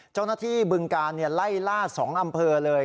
เจ้าหน้าที่บึงการไล่ล่าสองอำเภอเลย